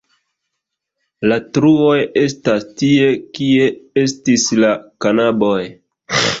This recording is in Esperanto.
La truoj estas tie, kie estis la kanaboj.